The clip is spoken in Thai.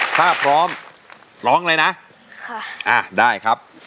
ถ้าพร้อมร้องเลยนะได้ครับ